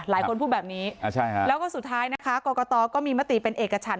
แล้วก็สุดท้ายกรกตก็มีมติเป็นเอกชั้น